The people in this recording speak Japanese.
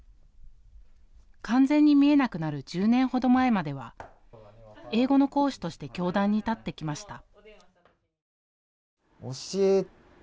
完全に見えなくなる１０年ほど前までは英語の講師として教壇に立ってきました。